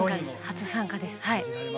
初参加ですはい。